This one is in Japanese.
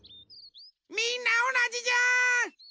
みんなおなじじゃん！